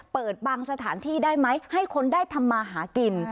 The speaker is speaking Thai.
เปิดบางสถานที่ได้ไหมให้คนได้ทำมาหากิน